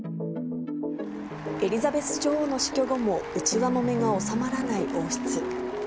エリザベス女王の死去後も内輪もめがおさまらない王室。